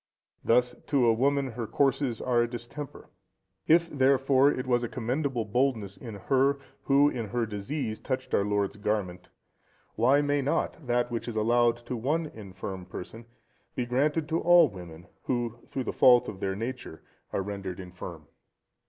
Thus to a woman her courses are a distemper. If, therefore, it was a commendable boldness in her, who in her disease touched our Lord's garment, why may not that which is allowed to one infirm person, be granted to all women, who, through the fault of their nature, are rendered infirm?